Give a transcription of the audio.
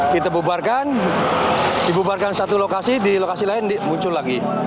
kita bubarkan dibubarkan satu lokasi di lokasi lain muncul lagi